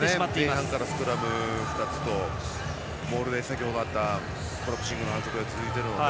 前半からスクラム２つとモールで、先程あったコラプシングのところから続いているので。